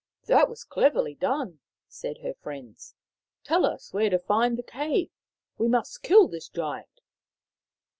" That was cleverly done/' said her friends. " Tell us where to find the cave. We must kill this Giant."